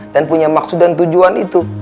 dan punya maksud dan tujuan itu